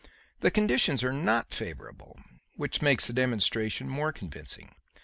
The conditions are not favourable which makes the demonstration more convincing.